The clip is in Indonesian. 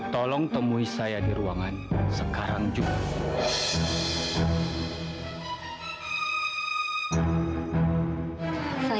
tolong temui saya di ruangan sekarang juga